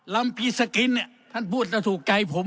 ลัมพีศกินท่านพูดตัวถูกใจผม